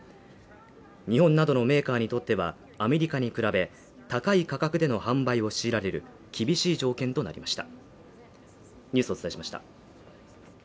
日本などのメーカーにとってはアメリカに比べ高い価格での販売を強いられる厳しい条件となりました。